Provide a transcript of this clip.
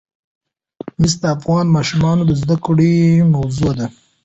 مس د افغان ماشومانو د زده کړې موضوع ده.